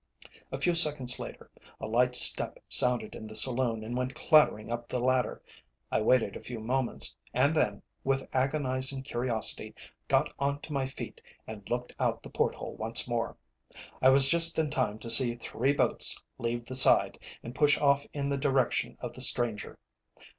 _ A few seconds later a light step sounded in the saloon and went clattering up the ladder. I waited a few moments, and then, with agonizing curiosity, got on to my feet and looked out of the port hole once more. I was just in time to see three boats leave the side, and push off in the direction of the stranger.